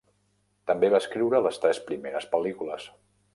També va escriure les tres primeres pel·lícules.